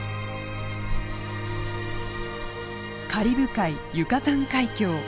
カリブ海ユカタン海峡。